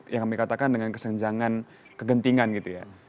yang kami katakan dengan kesenjangan kegentingan gitu ya